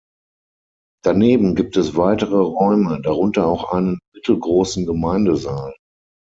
Daneben gibt es weitere Räume, darunter auch einen mittelgroßen Gemeindesaal.